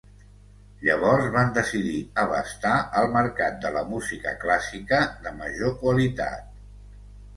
Llavors van decidir abastar el mercat de la música clàssica, de major qualitat.